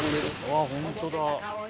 ああホントだ。